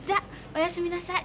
おやすみなさい。